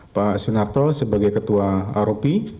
pak sunarto sebagai ketua rop